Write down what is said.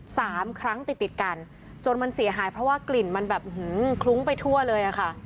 สามครั้งติดติดกันจนมันเสียหายเพราะว่ากลิ่นมันแบบหือคลุ้งไปทั่วเลยอะค่ะ